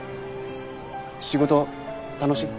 仕事楽しい？